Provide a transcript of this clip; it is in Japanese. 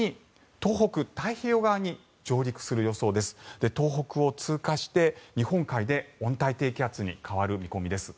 東北を通過して、日本海で温帯低気圧に変わる見込みです。